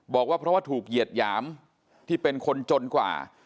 บอกว่าเพราะว่าถูกเหยียดหยามที่เป็นคนจนกว่า